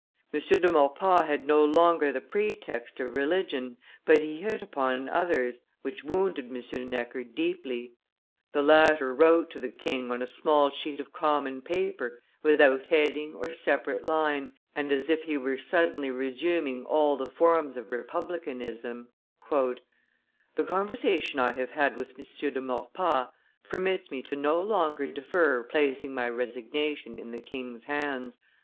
M. de Maurepas had no longer the pretext of religion, but he hit upon others which wounded M. Necker deeply; the latter wrote to the king on a small sheet of common paper, without heading or separate line, and as if he were suddenly resuming all the forms of republicanism: "The conversation I have had with M. de Maurepas permits me to no longer defer placing my resignation in the king's hands.